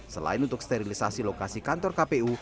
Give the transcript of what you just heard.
selain untuk sterilisasi lokasi kantor kpu